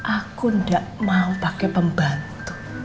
aku ndak mau pake pembantu